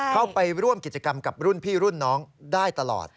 เข้าไปร่วมกิจกรรมกับรุ่นพี่รุ่นน้องได้ตลอด